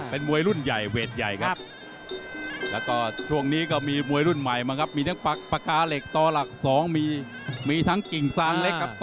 เป้มวยรุ่นใหญ่เว้ดใหญ่ครับ